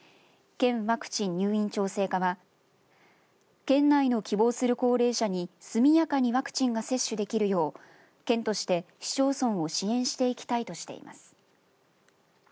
県ワクチン・入院調整課は県内の希望する高齢者に速やかにワクチンが接種できるよう県として市町村を支援していきたいとしています。